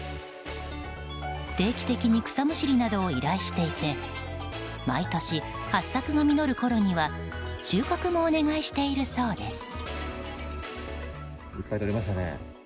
定期的に草むしりなどを依頼していて毎年ハッサクが実るころには収穫もお願いしているそうです。